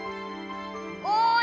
おい！